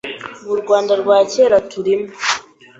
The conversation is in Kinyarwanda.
Mu Rwanda rwa kera turimo